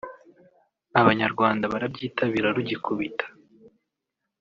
abanyarwanda barabyitabira rugikubita